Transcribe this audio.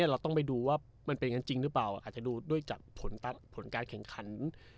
เราต้องไปดูว่ามันเป็นอย่างนั้นจริงหรือเปล่าอาจจะดูด้วยจากผลการแข่งขัน